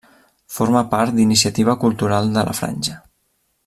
Forma part d'Iniciativa Cultural de la Franja.